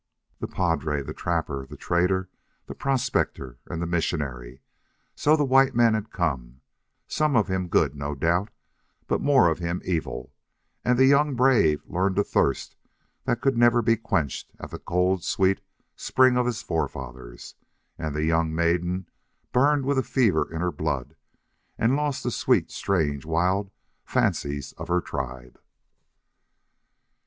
The padre, the trapper, the trader, the prospector, and the missionary so the white man had come, some of him good, no doubt, but more of him evil; and the young brave learned a thirst that could never be quenched at the cold, sweet spring of his forefathers, and the young maiden burned with a fever in her blood, and lost the sweet, strange, wild fancies of her tribe.